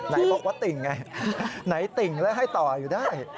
ไหนบอกว่าติ่งไงไหนติ่งแล้วให้ต่ออยู่ได้